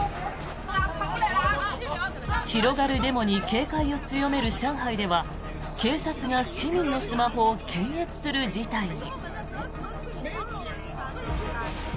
広がるデモに警戒を強める上海では警察が市民のスマホを検閲する事態に。